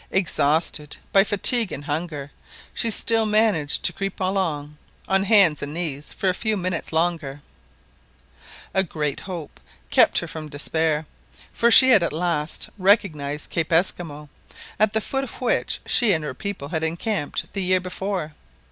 Exhausted by fatigue and hunger, she still managed to creep along on hands and knees for a few minutes longer. A great hope kept her from despair, for she had at last recognised Cape Esquimaux, at the foot of which she and her people had encamped the year before.